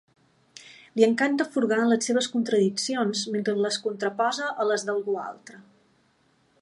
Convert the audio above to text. Li encanta furgar en les seves contradiccions mentre les contraposa a les d'algú altre.